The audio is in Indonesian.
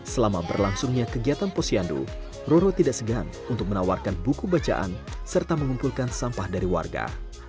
selama berlangsungnya kegiatan posyandu roro tidak segan untuk menawarkan buku bacaan serta mengumpulkan sampah dari warga